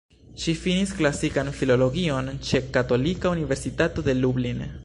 Ŝi finis klasikan filologion ĉe Katolika Universitato de Lublin.